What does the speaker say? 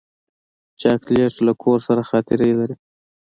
چاکلېټ له کور سره خاطره لري.